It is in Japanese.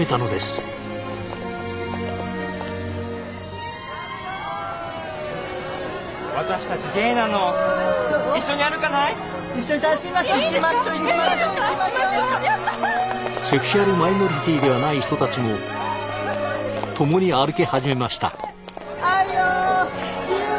セクシュアルマイノリティではない人たちも共に歩き始めました。